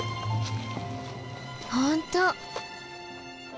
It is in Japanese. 本当。